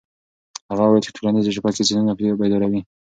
هغه وویل چې ټولنيزې شبکې ذهنونه بیداروي.